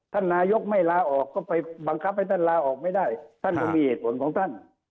ท่านนายกไม่ลาออกก็ไปบังคับให้ท่านลาออกไม่ได้ท่านก็มีเหตุผลของท่าน